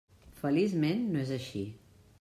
Feliçment no és així.